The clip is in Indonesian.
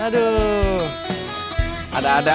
ada ada aja dudung